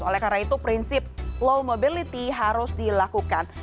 oleh karena itu prinsip low mobility harus dilakukan